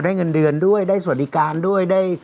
พอได้เงินเดือนด้วยได้สวรรค์ราการด้วย